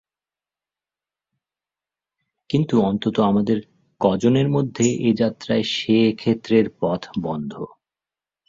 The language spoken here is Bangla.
কিন্তু অন্তত আমাদের কজনের জন্যে এ-যাত্রায় সে-ক্ষেত্রের পথ বন্ধ।